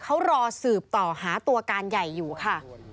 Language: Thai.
เขารอสืบต่อหาตัวการใหญ่อยู่ค่ะ